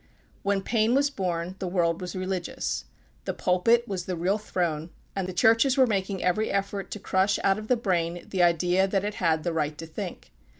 When Paine was born, the world was religious. The pulpit was the real throne, and the churches were making every effort to crush ont of the brain the idea that it had the right to think.